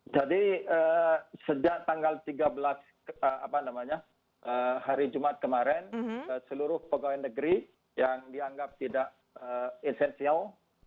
jadi sejak tanggal tiga belas hari jumat kemarin seluruh pegawai negeri yang dianggap tidak essential